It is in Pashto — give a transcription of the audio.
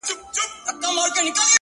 ږغونه ورک دي د ماشومانو؛